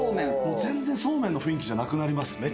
全然そうめんの雰囲気じゃなくなります。